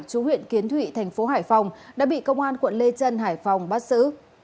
chú huyện kiến thụy tp hải phòng đã bị công an quận lê trân hải phòng bắt xử